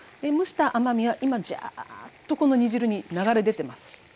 蒸した甘みは今じゃっとこの煮汁に流れ出てます。